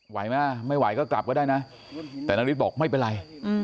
ไหวไหมไม่ไหวก็กลับก็ได้นะแต่นาริสบอกไม่เป็นไร